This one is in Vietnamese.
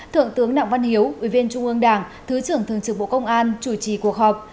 thượng tướng đặng văn hiếu ủy viên trung ương đảng thứ trưởng thường trực bộ công an chủ trì cuộc họp